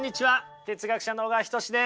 哲学者の小川仁志です。